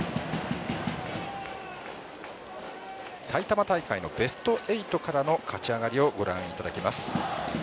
埼玉大会のベスト８からの勝ち上がりをご覧いただきます。